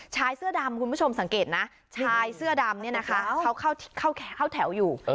ชายเสื้อดำคุณผู้ชมสังเกตนะชายเสื้อดำเนี่ยนะคะเขาเข้าแถวอยู่